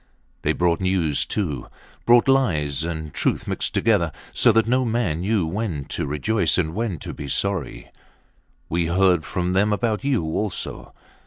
They brought news, too. Brought lies and truth mixed together, so that no man knew when to rejoice and when to be sorry. We heard from them about you also.